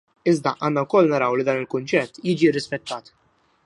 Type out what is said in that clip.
Iżda għandna wkoll naraw li dan il-kunċett jiġi rrispettat.